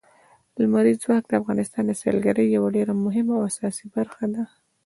لمریز ځواک د افغانستان د سیلګرۍ یوه ډېره مهمه او اساسي برخه ده.